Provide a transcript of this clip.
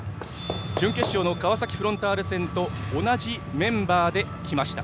準決勝の川崎フロンターレ戦と同じメンバーできました。